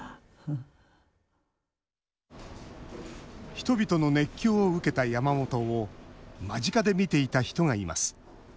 人々の熱狂を受けた山本を間近で見ていた人がいます